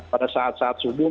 pada saat saat subuh